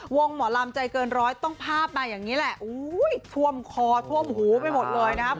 หมอลำใจเกินร้อยต้องภาพมาอย่างนี้แหละท่วมคอท่วมหูไปหมดเลยนะครับ